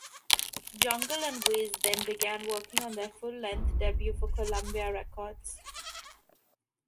Jungle and Wiz then began working on their full-length debut for Columbia Records.